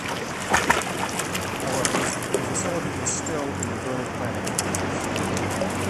However, the facility is still in the early planning phases.